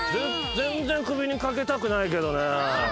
全然首にかけたくないけどね。